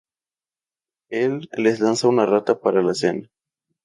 Él les lanza una rata para la cena.